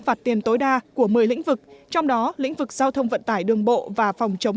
phạt tiền tối đa của một mươi lĩnh vực trong đó lĩnh vực giao thông vận tải đường bộ và phòng chống